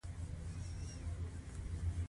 د مچلغو اوبو بند په احمد ابا ولسوالۍ کي موقعیت لری